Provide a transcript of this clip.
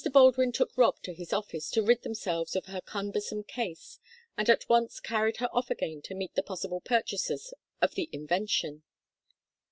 Baldwin took Rob to his office to rid themselves of her cumbersome case, and at once carried her off again to meet the possible purchasers of the invention.